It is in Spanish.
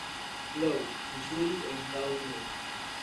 Louis, Misuri en Estados Unidos.